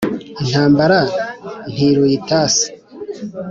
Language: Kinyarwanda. intambara ntiruyita si